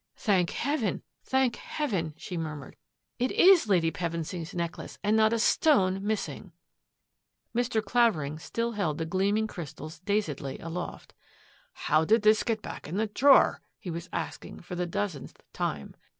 " Thank Heaven, thank Heaven !" she murmured. " It is Lady Pevensy's necklace and not a stone missing !" Mr. Clavering still held the gleaming crystals dazedly aloft. " How did this get back in the drawer? " he was asking for the dozenth time.